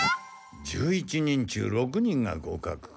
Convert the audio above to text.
１１人中６人が合かくか。